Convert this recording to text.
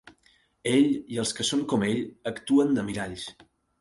Ell i els que són com ell actuen de miralls.